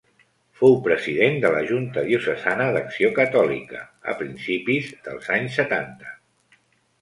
Fou president de la Junta Diocesana d'Acció Catòlica, a principis dels anys setanta.